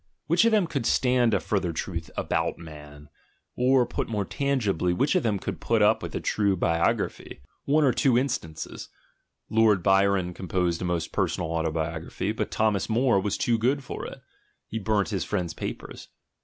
Which of them could stand a further truth "about man"? or, put more tangibly, which <>f them could put up with a true biography? One or : ;.inces: Lord Byron composed a most personal autobiography, but Thomas Moore was "too good" for ASCETIC IDEALS 149 it; he burnt his friend's papers.